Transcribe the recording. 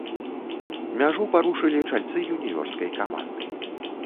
Мяжу парушылі чальцы юніёрскай каманды.